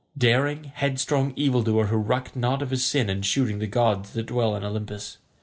Daring, headstrong, evildoer who recked not of his sin in shooting the gods that dwell in Olympus.